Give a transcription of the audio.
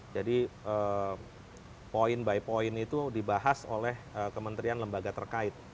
jadi point by point itu dibahas oleh kementerian lembaga terkait